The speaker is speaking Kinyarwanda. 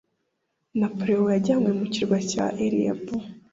Napoleon yajyanywe mu kirwa cya Elba